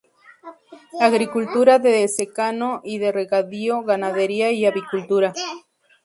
Agricultura de secano y de regadío, ganadería y avicultura.